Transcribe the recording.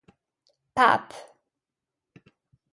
Papp.